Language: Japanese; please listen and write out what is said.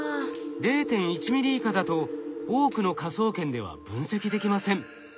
０．１ミリ以下だと多くの科捜研では分析できません。